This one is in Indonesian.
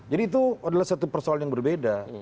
jadi itu adalah satu persoalan yang berbeda